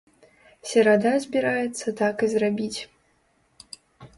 Серада збіраецца так і зрабіць.